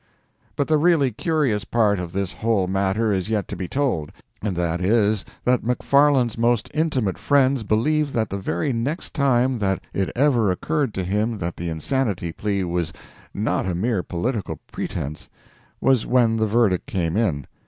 But the really curious part of this whole matter is yet to be told. And that is, that McFarland's most intimate friends believe that the very next time that it ever occurred to him that the insanity plea was not a mere politic pretense, was when the verdict came in.